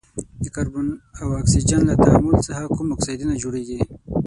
د کاربن او اکسیجن له تعامل څخه کوم اکسایدونه جوړیږي؟